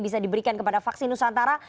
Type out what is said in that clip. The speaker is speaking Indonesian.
bisa diberikan kepada vaksin nusantara